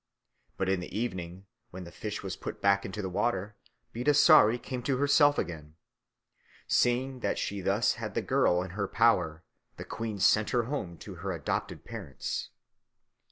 But in the evening, when the fish was put back into the water, Bidasari came to herself again. Seeing that she thus had the girl in her power, the queen sent her home to her adopted parents.